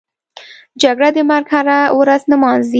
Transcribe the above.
جګړه د مرګ هره ورځ نمانځي